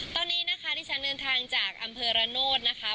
ตอนนี้นะคะที่ฉันเดินทางจากอำเภอระโนธนะคะ